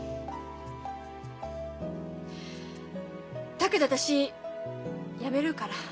だけど私やめるから。